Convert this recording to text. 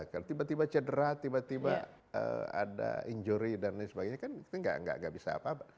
kalau tiba tiba cedera tiba tiba ada injury dan lain sebagainya kan kita nggak bisa apa apa